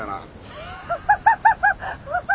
ハハハハハ！